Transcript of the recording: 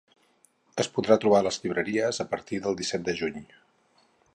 Es podrà trobar a les llibreries a partir del disset de juny.